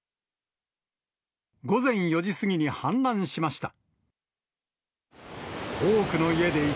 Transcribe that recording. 午前４時過ぎに氾濫しました。